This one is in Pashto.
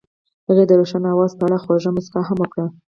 هغې د روښانه اواز په اړه خوږه موسکا هم وکړه.